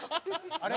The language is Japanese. あれ？